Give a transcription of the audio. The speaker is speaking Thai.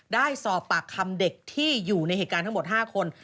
ได้สอบปากคำเด็กที่อยู่ในเหตุการณ์ทั้งหมด๕คน